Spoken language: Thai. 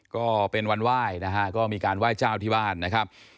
ก็เป็นวันไหว้นะฮะก็มีการไหว้เจ้าที่บ้านนะครับ